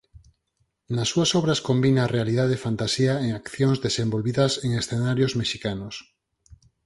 Nas súas obras combina realidade e fantasía en accións desenvolvidas en escenarios mexicanos.